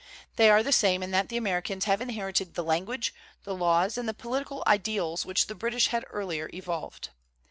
They are the same in that the Americans have inherited the language, the laws and the political ideals which the British had earlier evolved.